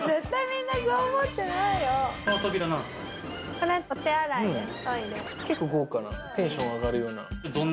これお手洗いです。